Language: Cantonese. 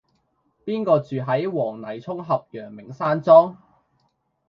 邊個住喺黃泥涌峽陽明山莊